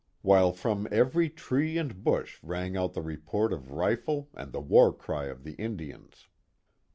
Oriskany 423 while from every tree and bush rang out the report of rifle and the war cry of the Indians.